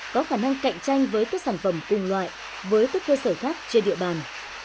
có khả năng cạnh tranh với các sản phẩm cùng loại với các cơ sở khác trên địa bàn